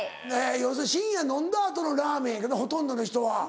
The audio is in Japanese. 要するに深夜飲んだ後のラーメンやけどほとんどの人は。